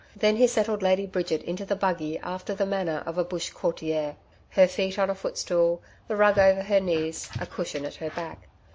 Then he settled Lady Bridget into the buggy after the manner of a bush courtier her feet on a footstool, the rug over her knees, a cushion at her back.